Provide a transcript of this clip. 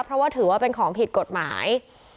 เพราะว่าถือว่าเป็นของผิดกฎหมาย